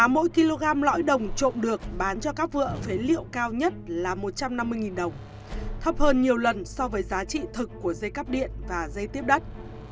mỗi kg lõi đồng trộm được bán cho các vựa phế liệu cao nhất là một trăm năm mươi đồng thấp hơn nhiều lần so với giá trị thực của dây cắp điện và dây tiếp đất